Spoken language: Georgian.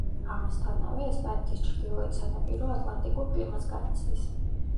ამასთანავე, ესპანეთის ჩრდილოეთ სანაპირო ატლანტიკურ კლიმატს განიცდის.